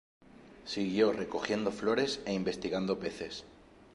Siguió recogiendo flores e investigando peces.